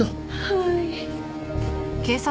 はい。